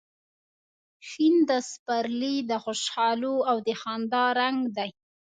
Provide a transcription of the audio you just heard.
شین د سپرلي د خوشحالو او د خندا رنګ